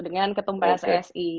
dengan ketum pssi